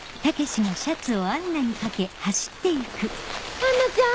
杏奈ちゃん？